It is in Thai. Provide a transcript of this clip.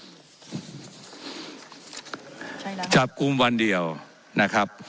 ว่าการกระทรวงบาทไทยนะครับ